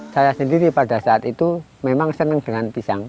saya sendiri pada saat itu memang senang dengan pisang